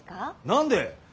何で？